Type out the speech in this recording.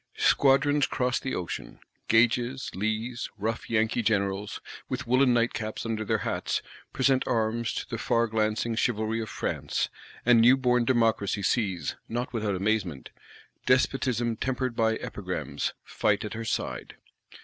Squadrons cross the ocean: Gages, Lees, rough Yankee Generals, "with woollen night caps under their hats," present arms to the far glancing Chivalry of France; and new born Democracy sees, not without amazement, "Despotism tempered by Epigrams" fight at her side.